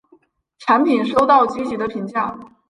产品收到积极的评价。